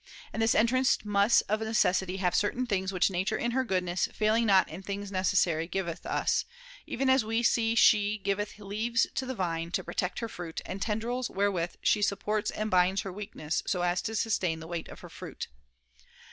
And this entrance must of necessity have certain things which nature in her goodness, failing not in things necessary, giveth us ; even as we see she giveth leaves to the vine to protect her fruit, and tendrils [no] wherewith she supports and binds her weakness so as to sustain the weight of her fruit.